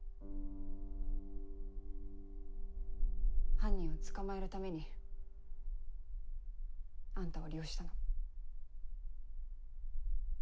犯人を捕まえるためにあんたを利用したの。